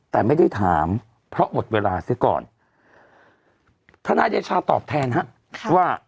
แต่ไม่ได้ถามเพราะหมดเวลาเสียก่อนทนายเดชาตอบแทนฮะว่า